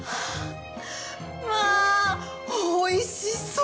まあおいしそう！